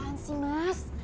apaan sih mas